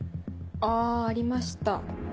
あありました。